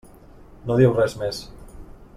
No diu res més.